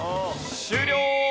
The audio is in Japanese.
終了！